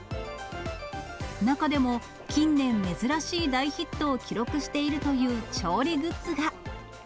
中でも、近年珍しい大ヒットを記録しているという調理グッズが。